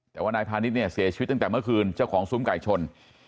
แต่ว่านายพาณิชย์เนี่ยเสียชีวิตตั้งแต่เมื่อคืนเจ้าของซุ้มไก่ชน